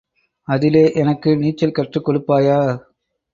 அதிலே எனக்கு நீச்சல் கற்றுக் கொடுப்பாயா?